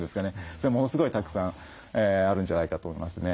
それはものすごいたくさんあるんじゃないかと思いますね。